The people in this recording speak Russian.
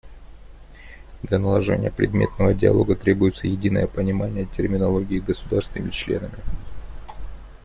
Для налаживания предметного диалога требуется единое понимание терминологии государствами-членами.